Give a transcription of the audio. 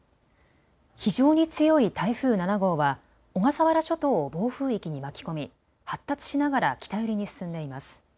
非常に強い台風７号は小笠原諸島を暴風域に巻き込み発達しながら北寄りに進んでいます。